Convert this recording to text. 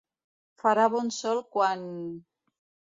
Farà bon sol quan...